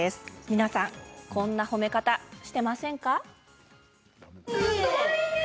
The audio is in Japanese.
皆さん、こんな褒め方していませんか。